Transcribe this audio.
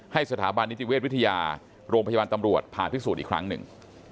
สถาบันนิติเวชวิทยาโรงพยาบาลตำรวจผ่าพิสูจน์อีกครั้งหนึ่ง